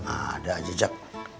ada aja jak